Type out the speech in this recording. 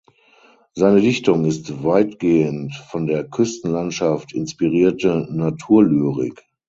Seine Dichtung ist weitgehend von der Küstenlandschaft inspirierte Naturlyrik.